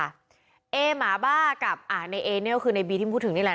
เอหมาบ้ากับอ่าในเอเนี่ยก็คือในบีที่พูดถึงนี่แหละ